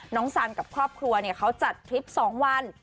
น้องสันกับครอบครัวเนี่ยเขาจัดทริป๒วัน